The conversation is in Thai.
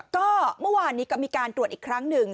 ก็เมื่อวานนี้ก็มีการตรวจอีกครั้งหนึ่ง